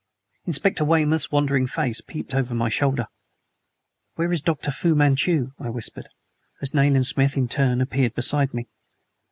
Inspector Weymouth's wondering face peeped over my shoulder. "Where is Dr. Fu Manchu?" I whispered, as Nayland Smith in turn appeared beside me.